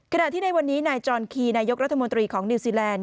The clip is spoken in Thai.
ขณะที่ในวันนี้นายจอนคีนายกรัฐมนตรีของนิวซีแลนด